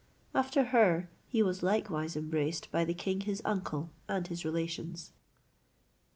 After her, he was likewise embraced by the king his uncle and his relations.